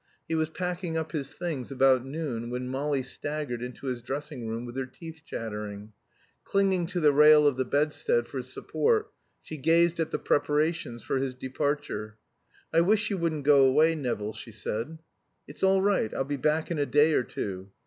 He was packing up his things about noon, when Molly staggered into his dressing room with her teeth chattering. Clinging to the rail of the bedstead for support, she gazed at the preparations for his departure. "I wish you wouldn't go away, Nevill," she said. "It's all right, I'll be back in a day or two."